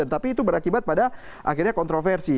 tapi itu berakibat pada akhirnya kontroversi